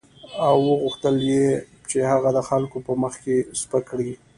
او وغوښتل یې چې هغه د خلکو په مخ کې سپک کړي.